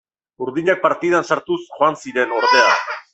Urdinak partidan sartuz joan ziren, ordea.